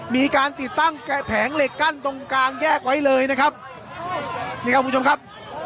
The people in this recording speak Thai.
มีการติดตั้งแผงเหล็กกั้นตรงกลางแยกไว้เลยนะครับนี่ครับคุณผู้ชมครับ